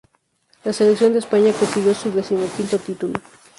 La selección de España consiguió su decimoquinto título.